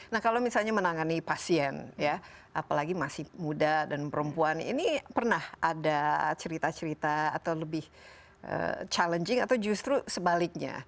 nah kalau misalnya menangani pasien ya apalagi masih muda dan perempuan ini pernah ada cerita cerita atau lebih challenging atau justru sebaliknya